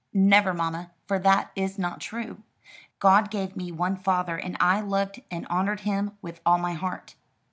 "Never, mamma, for that is not true. God gave me one father, and I loved and honoured him with all my heart.